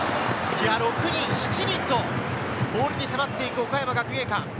６人、７人とボールに迫っていく岡山学芸館。